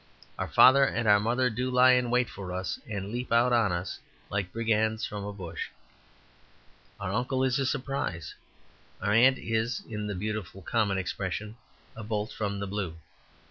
Our father and mother do lie in wait for us and leap out on us, like brigands from a bush. Our uncle is a surprise. Our aunt is, in the beautiful common expression, a bolt from the blue.